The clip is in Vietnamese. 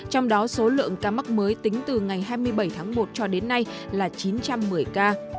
trong đó số lượng ca mắc mới tính từ ngày hai mươi bảy tháng một cho đến nay là chín trăm một mươi ca